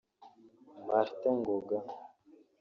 Martin Ngoga